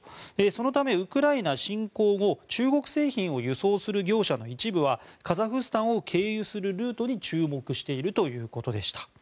そのため、ウクライナ侵攻後中国製品を輸送する業者の一部はカザフスタンを経由するルートに注目しているということでした。